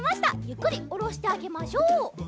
ゆっくりおろしてあげましょう。